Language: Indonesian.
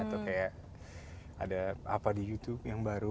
atau kayak ada apa di youtube yang baru